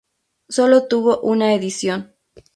Sólo tuvo una edición.